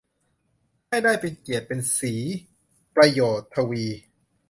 ให้ได้เป็นเกียรติเป็นศรี ประโยชน์ทวี